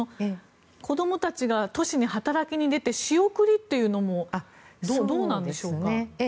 子どもたちが都市に働きに出て仕送りというのもどうなんでしょうか？